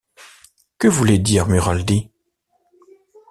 Que voulait dire Mulrady ?